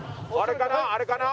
あれかな？